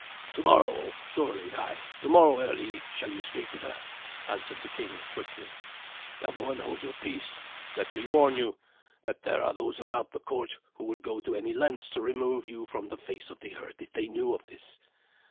"Tomorrow, surely; ay, tomorrow early shall you speak with her," answered the king quickly. "Now go, and hold your peace. Let me warn you that there are those about the court who would go any lengths to remove you from the face of the earth if they knew of this.